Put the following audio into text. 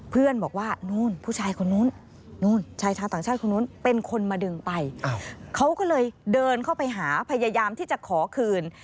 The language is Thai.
เพื่อนบอกว่านู่นผู้ชายคนนู้นนู่นชายชาวต่างชาติคนนู้นเป็นคนมาดึงไปเขาก็เลยเดินเข้าไปหาพยายามที่จะขอคืน